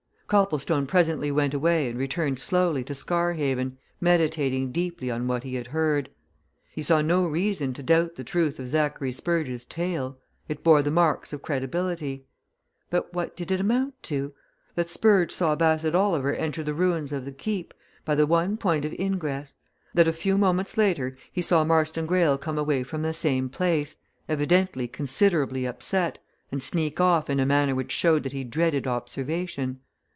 Copplestone presently went away and returned slowly to Scarhaven, meditating deeply on what he had heard. He saw no reason to doubt the truth of Zachary Spurge's tale it bore the marks of credibility. But what did it amount to? That Spurge saw Bassett Oliver enter the ruins of the Keep, by the one point of ingress; that a few moments later he saw Marston Greyle come away from the same place, evidently considerably upset, and sneak off in a manner which showed that he dreaded observation.